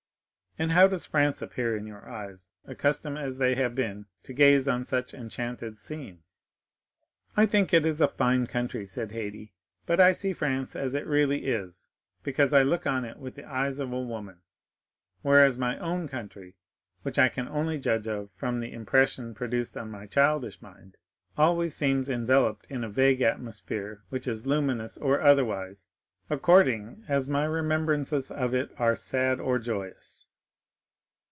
And how does France appear in your eyes, accustomed as they have been to gaze on such enchanted scenes?" "I think it is a fine country," said Haydée, "but I see France as it really is, because I look on it with the eyes of a woman; whereas my own country, which I can only judge of from the impression produced on my childish mind, always seems enveloped in a vague atmosphere, which is luminous or otherwise, according as my remembrances of it are sad or joyous."